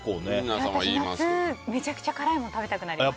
私、夏はめちゃくちゃ辛い物食べたくなります